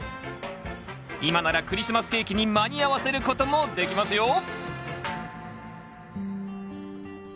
今ならクリスマスケーキに間に合わせることもできますよ